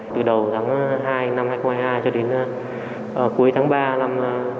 từ đầu tháng hai năm hai nghìn hai mươi hai cho đến cuối tháng ba năm hai nghìn hai mươi ba